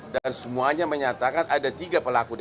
dan semuanya menyatakan ada tiga pelaku dpo